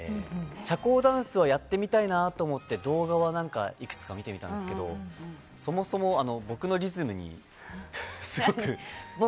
社交ダンスはやってみたいなと思って動画はいくつか見てみたんですけどもそもそも、僕のリズムにすごく。